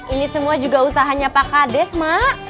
ini semua juga usahanya pak kades mak